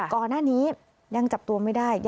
ก่อนหน้านี้ยังจับตัวไม่ได้